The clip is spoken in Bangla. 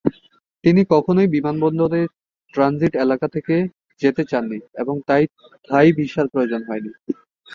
তিনি কখনোই বিমানবন্দরের ট্রানজিট এলাকা ছেড়ে যেতে চাননি এবং তাই থাই ভিসার প্রয়োজন হয়নি।